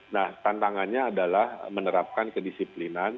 nah tantangannya adalah menerapkan kedisiplinan